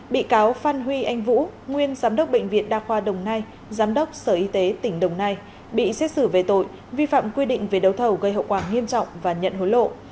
bị cáo phan huy anh vũ nguyên giám đốc bệnh viện đa khoa đồng nai giám đốc sở y tế tỉnh đồng nai bị xét xử về tội vi phạm quy định về đấu thầu gây hậu quả nghiêm trọng và nhận hối lộ